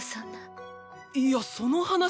いやその話？